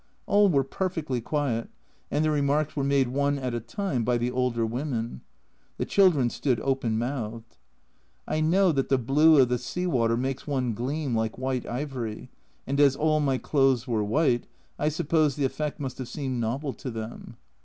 All were perfectly quiet, and the remarks were made one at a time by the older women ; the children stood open mouthed. I know that the blue of the sea water makes one gleam like white ivory, and as all my clothes were white, I suppose the effect must have seemed novel to them.